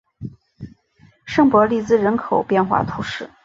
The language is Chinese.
圣博利兹人口变化图示